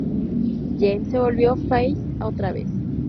James se volvió face otra vez.